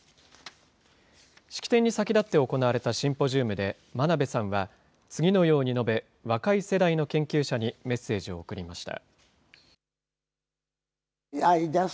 式典に先立って行われたシンポジウムで、真鍋さんは次のように述べ、若い世代の研究者にメッセージを送りました。